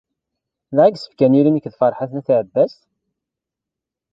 Da i yessefk ad nili nekk d Ferḥat n At Ɛebbas?